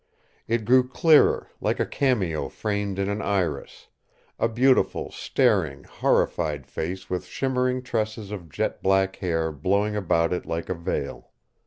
It grew clearer, like a cameo framed in an iris a beautiful, staring, horrified face with shimmering tresses of jet black hair blowing about it like a veil.